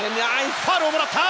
ファウルをもらった！